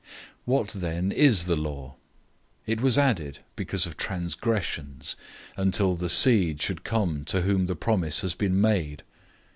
003:019 What then is the law? It was added because of transgressions, until the seed should come to whom the promise has been made.